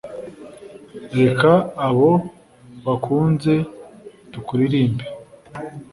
reka abo wakunze tukuririmbe